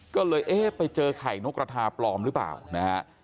ก็เลยเอ๊ะไปเจอไข่นกกระทาปลอมหรือเปล่านะฮะ